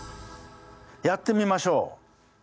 やってみましょう。